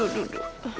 lu mau ke depan karin